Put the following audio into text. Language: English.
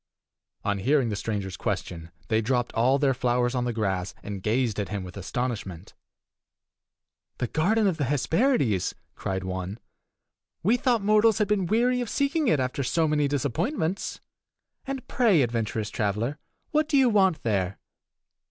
On hearing the stranger's question, they dropped all their flowers on the grass, and gazed at him with astonishment. "The garden of the Hesperides!" cried one. "We thought mortals had been weary of seeking it after so many disappointments. And pray, adventurous traveler, what do you want there?"